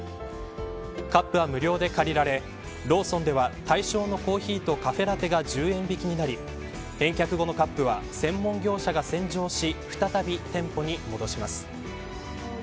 カップは無料で借りられローソンでは対象のコーヒーとカフェラテが１０円引きになり返却後のカップは専門業者が洗浄し再び店舗に戻します。